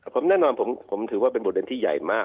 ผมแน่นอนผมถือว่าเป็นบทเรียนที่ใหญ่มาก